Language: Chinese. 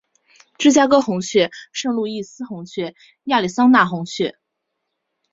芝加哥红雀圣路易斯红雀亚利桑那红雀